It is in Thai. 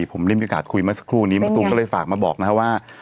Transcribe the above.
ผมริ่มกระกาศคุยมาสักครู่นี้มาตูมก็เลยฝากมาบอกนะครับว่า